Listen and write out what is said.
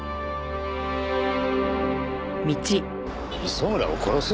磯村を殺す？